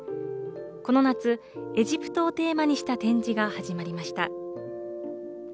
この夏、エジプトをテーマにした展示が始まりました。